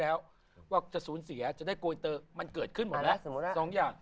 แล้วว่าจะสูญเสียจะได้โกยเตอร์มันเกิดขึ้นหมดแล้วสองอย่าง